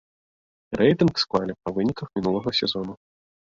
Рэйтынг склалі па выніках мінулага сезону.